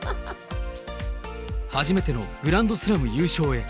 初めてのグランドスラム優勝へ。